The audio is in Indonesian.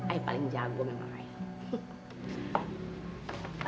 ayah paling jago memang ayah